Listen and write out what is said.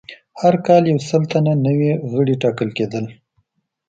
هر کال یو سل تنه نوي غړي ټاکل کېدل